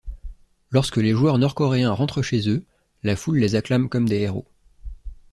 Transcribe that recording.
Lorsque les joueurs nord-coréens rentrent chez eux, la foule les acclame comme des héros.